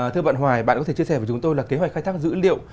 thưa bạn hoài bạn có thể chia sẻ với chúng tôi là kế hoạch khai thác dữ liệu